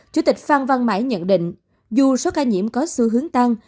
chủ tịch phan văn mãi nhận định dù số ca nhiễm có xu hướng tăng